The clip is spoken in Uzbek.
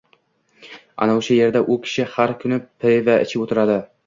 ana o’sha yerda u kishi xar kuni piva ichib o’tiradi.